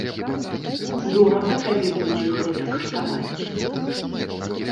Дорага табе будзе гэта каштаваць.